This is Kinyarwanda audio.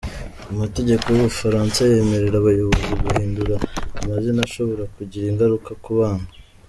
Amategeko y’u Bufaransa yemerera abayobozi guhindura amazina ashobora kugira ingaruka ku bana.